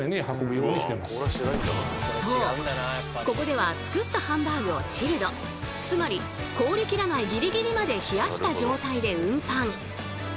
ここでは作ったハンバーグをチルドつまり凍りきらないギリギリまで冷やした状態で運搬。